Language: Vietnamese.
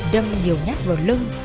đâm nhiều nhát vào lưng